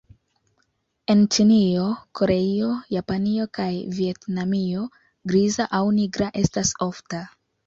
En Ĉinio, Koreio, Japanio kaj Vjetnamio griza aŭ nigra estas ofta.